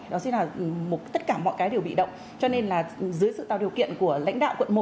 đó sẽ là tất cả mọi cái đều bị động cho nên là dưới sự tạo điều kiện của lãnh đạo quận một